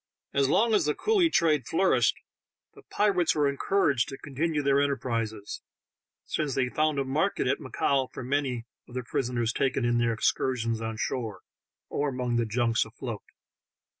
As long as the eoolie trade flourished, the pirates were eneouraged to eontinue their enterprises, sinee they found a mar ket at Macao for many of the prisoners taken in 10 THE TALKtN(j HANDKERCHIEF. their incursions on shore, or among the junhg afloat.